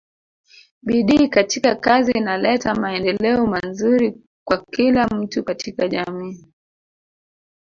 bidii katika kazi inaleta maendeleo manzuri kwa kila mtu katika jamii